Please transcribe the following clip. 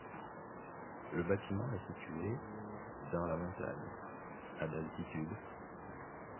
Le bâtiment est situé dans la montagne, à d'altitude.